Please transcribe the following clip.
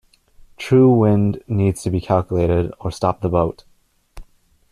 True wind needs to be calculated or stop the boat.